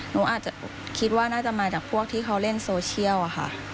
หนูอาจจะคิดว่าน่าจะมาจากพวกที่เขาเล่นโซเชียลค่ะ